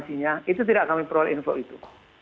itu tidak kami perlu info itu